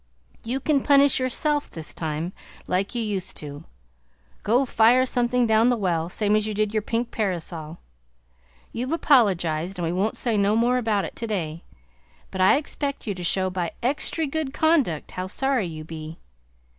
You can punish yourself this time, like you used to. Go fire something down the well, same as you did your pink parasol! You've apologized and we won't say no more about it today, but I expect you to show by extry good conduct how sorry you be!